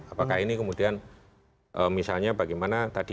apakah ini kemudian misalnya bagaimana tadi